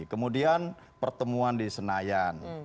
kemudian pertemuan di senayan